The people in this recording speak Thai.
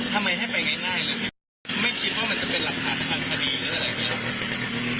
ทำไมให้ไปง่ายเลยไม่คิดว่ามันจะเป็นหลักฐานทางคดีหรืออะไรอย่างนี้ครับ